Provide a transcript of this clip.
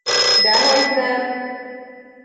Dehogynem!